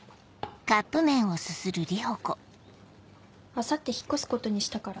明後日引っ越すことにしたから。